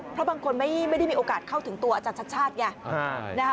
เพราะบางคนไม่ได้มีโอกาสเข้าถึงตัวอาจารย์ชัดชาติไง